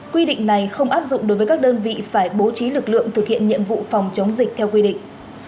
quy định này không áp dụng đối với các đơn vị phải bố trí lực lượng thực hiện nhiệm vụ phòng chống dịch theo quy định